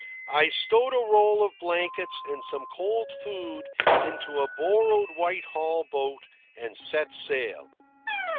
I stowed a roll of blankets and some cold food into a borrowed whitehall boat and set sail.